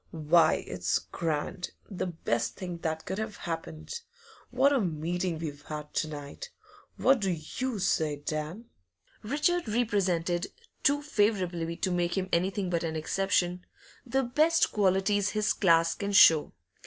Why, it's grand; the best thing that could have happened! What a meeting we've had to night! What do you say, Dan?' Richard represented too favourably to make him anything but an exception the best qualities his class can show.